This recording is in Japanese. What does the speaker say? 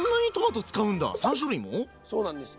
そうなんです。